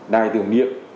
đài tưởng miệng